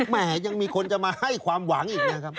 แม่ยังมีคนจะมาให้ความหวังอีกนะครับ